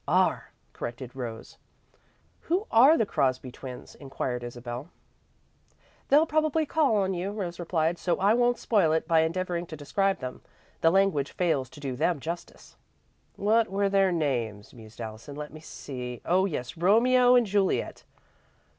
"Are," corrected Rose. "Who are the Crosby twins?" inquired Isabel. "They'll probably call on you," Rose replied, "so I won't spoil it by endeavouring to describe them. The language fails to do them justice." "What were their names?" mused Allison. "Let me see. Oh, yes, Romeo and Juliet."